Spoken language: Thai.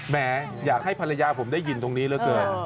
แม้อยากให้ภรรยาผมได้ยินตรงนี้เหลือเกิน